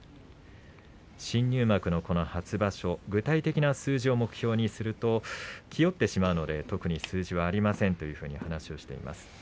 新入幕のこの初場所具体的な数字を目標にすると気負ってしまうので特に数字はありませんというふうに話をしています。